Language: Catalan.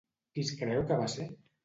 Qui es creu que va ser?